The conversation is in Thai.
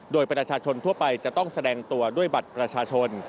โดยประชาชนทั่วไปจะต้องแสดงตัวด้วยบัตรประชาชน